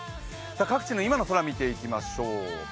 各地の今の空を見ていきましょう。